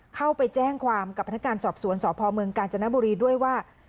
เข้าไปแจ้งความกับพนักงานสอบสวนสพเมืองกาญจนบุรีด้วยว่า